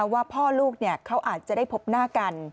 ว่าพ่อลูกเขาอาจจะได้พบหน้ากัน